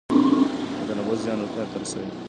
د تنفس زیان روغتیا ته رسوي.